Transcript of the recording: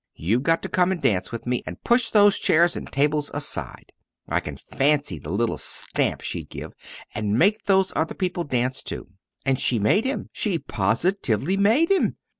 you've got to come and dance with me, and push those chairs and tables aside' I can fancy the little stamp she'd give 'and make those other people dance too.' And she made him she positively made him.